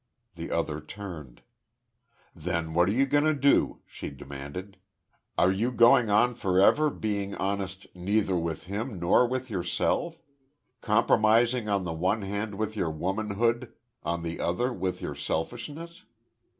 The other turned. "Then what are you going to do?" she demanded. "Are you going on forever being honest neither with him nor with yourself compromising on the one hand with your womanhood, on the other with your selfishness?